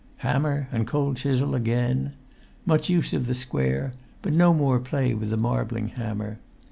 Hammer and cold chisel again. Much use of the square, but no more play with the marbling hammer.